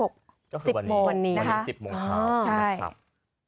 ก็คือวันนี้๑๐โมงนะคะใช่วันนี้๑๐โมงครับ